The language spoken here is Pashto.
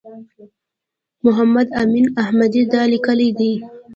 محمد امین احمدي دا لیکلي دي.